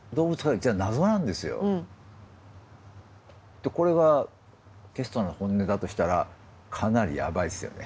でこれがケストナーの本音だとしたらかなりやばいですよね。